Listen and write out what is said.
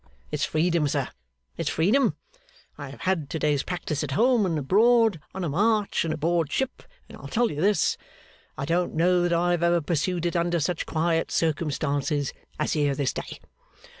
It's freedom, sir, it's freedom! I have had to day's practice at home and abroad, on a march, and aboard ship, and I'll tell you this: I don't know that I have ever pursued it under such quiet circumstances as here this day.